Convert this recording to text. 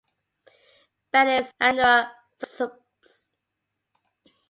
Bellis annua subsp.